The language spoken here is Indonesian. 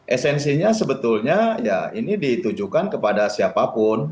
esensinya sebetulnya ya ini ditujukan kepada siapapun